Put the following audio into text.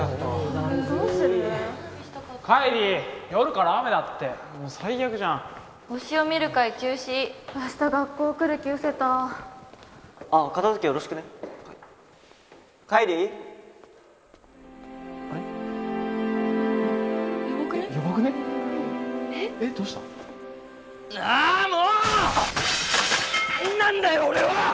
何なんだよ俺は！